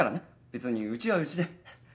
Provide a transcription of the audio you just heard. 別にうちはうちで。